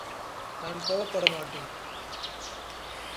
நான் கோப்ப் படமாட்டேன்.